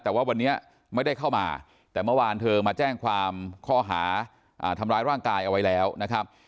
แต่ว่าวันนี้ไม่ได้เข้ามาแต่เมื่อวานเธอมาแจ้งความข้อหาทำร้ายร่างกายเอาไว้แล้วนะครับ